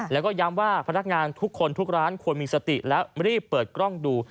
แล้วก็ย้ำว่าพนักงานทุกคนทุกร้านควรมีสติและรีบเปิดกล้องดู